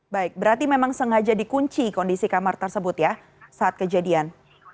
baik berarti memang sengaja dikunci kondisi kamar tersebut ya saat kejadian